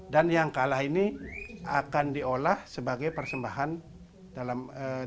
dan yang kalah ini akan diolah sebagai persembahan dalam perjuangan